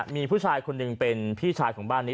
มีผู้ชายคนหนึ่งเป็นพี่ชายของบ้านนี้